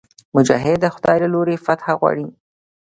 مجاهد د خدای له لورې فتحه غواړي.